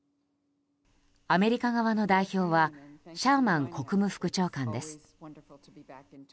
アメリカ側の代表はシャーマン国務副長官です。